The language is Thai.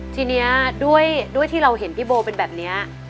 ทีนี้ด้วยที่เราเห็นพี่โบเป็นแบบนี้